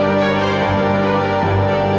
ndra kamu udah nangis